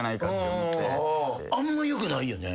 あんまよくないよね？